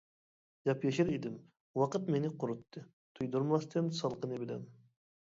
ياپيېشىل ئىدىم، ۋاقىت مېنى قۇرۇتتى، تۇيدۇرماستىن سالقىنى بىلەن.